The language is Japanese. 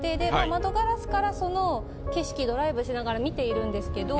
窓ガラスからその景色ドライブしながら見ているんですけど。